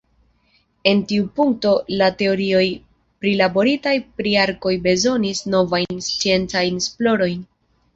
En tiu punkto la teorioj prilaboritaj pri arkoj bezonis novajn sciencajn esplorojn.